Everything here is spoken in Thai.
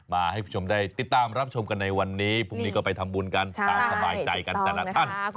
มาให้ผู้ชมได้ติดตามรับชมกันในวันนี้พรุ่งนี้ก็ไปทำบุญกันตามสบายใจกันแต่ละท่าน